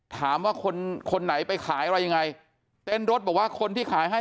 ถามว่าคนคนไหนไปขายอะไรยังไงเต้นรถบอกว่าคนที่ขายให้